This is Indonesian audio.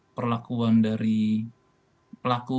apakah pengakuan dari pelaku